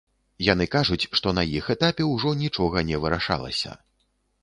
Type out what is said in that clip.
Яны кажуць, што на іх этапе ўжо нічога не вырашалася.